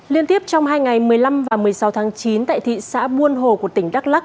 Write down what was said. liên tiếp trong hai ngày một mươi năm và một mươi sáu tháng chín tại thị xã buôn hồ của tỉnh đắk lắc